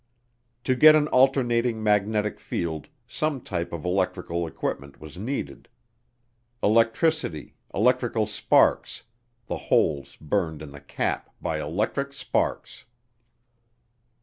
To get an alternating magnetic field, some type of electrical equipment was needed. Electricity electrical sparks the holes burned in the cap "by electric sparks."